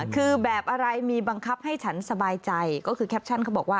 คือแบบอะไรมีบังคับให้ฉันสบายใจก็คือแคปชั่นเขาบอกว่า